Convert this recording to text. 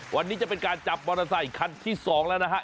วันนี้จะเป็นการจับมอเตอร์ไซคันที่๒แล้วนะฮะ